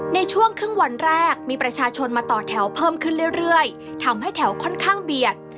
ในช่วงครึ่งวันแรกมีประชาชนมาต่อแถวเพิ่มขึ้นเรื่อยทำให้แถวค่อนข้างเบียด